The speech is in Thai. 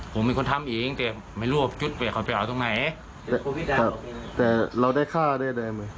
ครับผมมีคนทำเองแต่ไม่รู้ว่าจุดเวทย์เขาไปเอาตรงไหนครับแต่เราได้ฆ่าได้ไหม